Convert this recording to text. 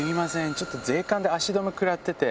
ちょっと税関で足止め食らってて。